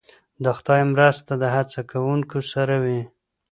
د خدای مرسته د هڅه کوونکو سره وي.